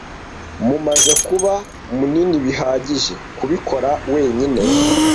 Mumaze kuba munini bihagije kubikora wenyine.